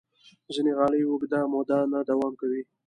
ځینې غالۍ اوږده موده نه دوام کوي.